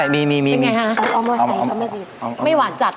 ก็มีวิปครีมนะเป็นไงฮะไม่หวานจัด